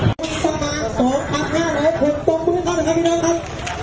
คนสมัครสองครับง่ายคนตกมื้อเขานะครับพี่ตังครับ